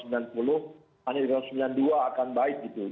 hanya di rp sembilan puluh dua akan baik